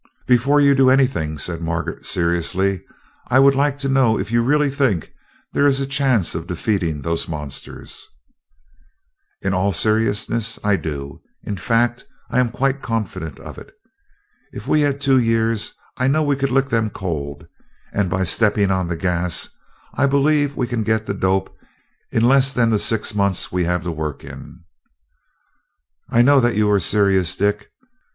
"Before you do anything," said Margaret seriously, "I would like to know if you really think there is a chance of defeating those monsters." "In all seriousness, I do. In fact, I am quite confident of it. If we had two years, I know that we could lick them cold; and by stepping on the gas I believe we can get the dope in less than the six months we have to work in." "I know that you are serious, Dick.